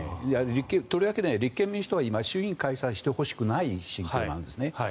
とりわけ立憲民主党は今、衆議院解散してほしくない心境なんですね。